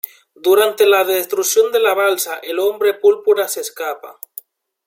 Durante la destrucción de la Balsa, el Hombre Púrpura se escapa.